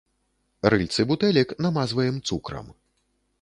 Рыльцы бутэлек намазваем цукрам.